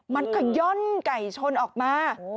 มันก็ย่อนไก่ชนออกมา